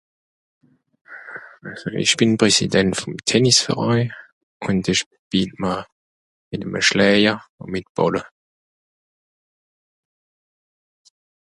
ìsch bin Präsident vòm Tennis Verein ùnd ìsch schpiel (mà) mìt'm à Schléje ùn mìt Bàlle